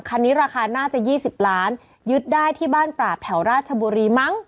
คันนี้ราคาน่าจะ๒๐ล้านยึดได้ที่บ้านปราบแถวราชบุรีมั้ง